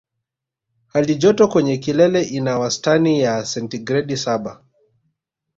Hali joto kwenye kilele ina wastani ya sentigredi saba